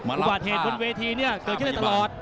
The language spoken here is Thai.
อุบัติเหตุบนเวทีเนี่ยเกิดขึ้นได้ตลอด